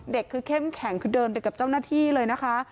เด็กคือเข้มแข็งคือเดินไปกับเจ้าหน้าที่เลยนะคะ